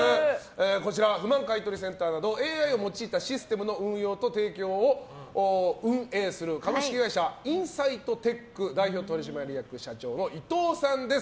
こちらは不満買取センターなどＡＩを用いたシステムの運用と提供を運営する株式会社ＩｎｓｉｇｈｔＴｅｃｈ代表取締役社長の伊藤さんです。